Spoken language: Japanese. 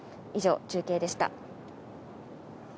以上、中継でした。